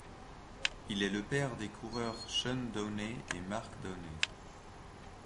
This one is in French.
Il est le père des coureurs Sean Downey et Mark Downey.